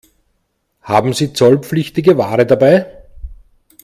Haben Sie zollpflichtige Ware dabei?